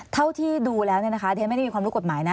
เท่าที่ดูแล้วนะครับเดี้ยวไม่มีความรู้กฎหมายนะ